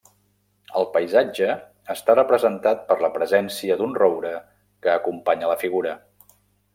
El paisatge està representat per la presència d'un roure que acompanya la figura.